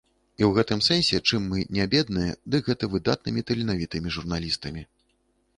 І ў гэтым сэнсе чым мы не бедныя, дык гэта выдатнымі таленавітымі журналістамі.